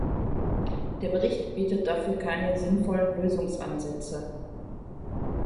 Der Bericht bietet dafür keine sinnvollen Lösungsansätze.